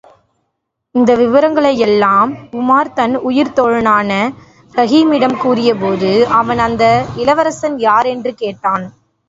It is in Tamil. இந்த விபரங்களையெல்லாம் உமார் தன் உயிர்த் தோழனான ரஹீமிடம் கூறியபோது, அவன் அந்த இளவரசன் யார் என்று கேட்டான்.